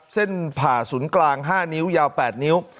เส้นผ่าศูนย์กลาง๕นิ้วยาว๘นิ้ว